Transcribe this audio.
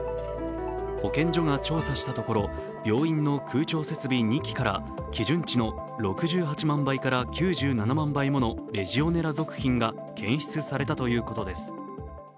保健所が調査したところ病院の空調設備２基から基準値の６８万倍から９７万倍ものレジオネラ属菌が検出されたということです。